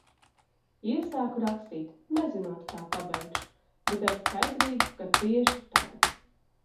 Iesāku rakstīt, nezinot, kā pabeigšu, bet ar skaidrību, ka tieši tagad.